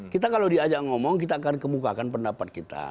kita kalau diajak ngomong kita akan kemukakan pendapat kita